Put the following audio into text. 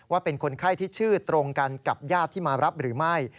เป็นคนไข้ที่ชื่อตรงกันกับญาติที่มารับหรือไม่